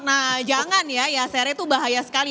nah jangan ya seri itu bahaya sekali